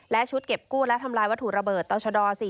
และชุดเก็บกู้และทำลายวัตถุระเบิดต่อชด๔๔